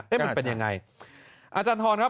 มันเป็นยังไงอาจารย์ทรครับ